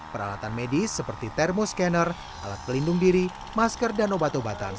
peralatan medis seperti thermo scanner alat pelindung diri masker dan obat obatan